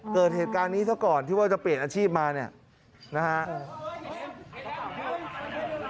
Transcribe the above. เกิดเหตุการณ์นี้ซะก่อนที่ว่าจะเปลี่ยนอาชีพมาเนี่ยนะฮะ